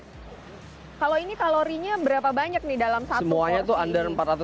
kalau ini kalorinya berapa banyak nih dalam satu porsi